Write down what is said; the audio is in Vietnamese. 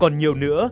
còn nhiều nữa